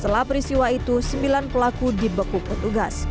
setelah peristiwa itu sembilan pelaku dibekuk petugas